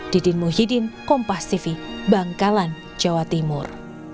didin muhyiddin kompas tv bangkalan jawa timur